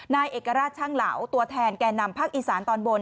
นายเอกราชช่างเหลาตัวแทนแก่นำภาคอีสานตอนบน